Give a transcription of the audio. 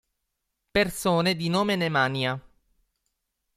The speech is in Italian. Persone di nome Nemanja